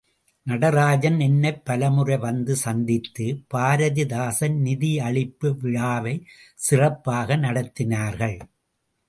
நடராஜன் என்னைப் பலமுறை வந்து சந்தித்து பாரதிதாசன் நிதி அளிப்பு விழாவைச் சிறப்பாக நடத்தினார்கள்.